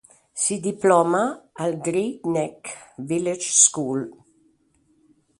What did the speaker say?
Si diploma alla Great neck village School.